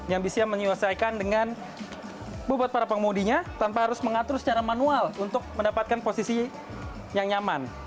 yang bisa menyelesaikan dengan bobot para pengemudinya tanpa harus mengatur secara manual untuk mendapatkan posisi yang nyaman